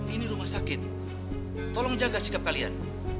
ini rumah sakit tolong jaga sikap kalian